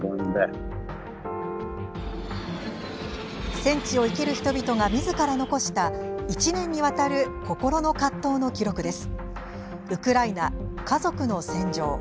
戦地を生きる人々がみずから残した１年にわたる心の葛藤の記録です。